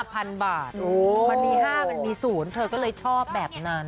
มันมี๕มันมี๐เธอก็เลยชอบแบบนั้น